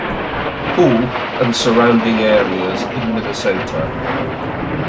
Paul and surrounding areas in Minnesota.